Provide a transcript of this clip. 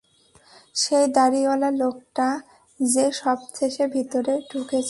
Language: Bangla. সেই দাড়িওয়ালা লোকটা যে সর্বশেষে ভেতরে ঢুকেছে।